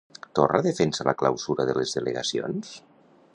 Torra defensa la clausura de les delegacions?